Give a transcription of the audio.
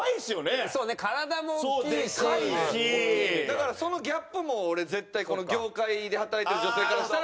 だからそのギャップも俺絶対この業界で働いてる女性からしたら。